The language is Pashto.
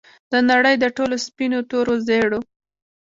د نړۍ د ټولو سپینو، تورو، زیړو